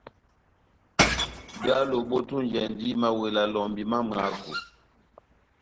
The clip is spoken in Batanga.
Bwálo bόtunjɛndi mawela lɔmbi má mwako.